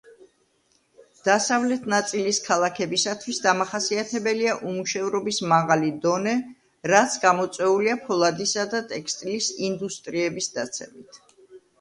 დასავლეთ ნაწილის ქალაქებისათვის დამახასიათებელია უმუშევრობის მაღალი დონე, რაც გამოწვეულია ფოლადისა და ტექსტილის ინდუსტრიების დაცემით.